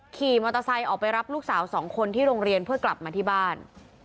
ขี่มอเตอร์ไซค์ออกไปรับลูกสาวสองคนที่โรงเรียนเพื่อกลับมาที่บ้าน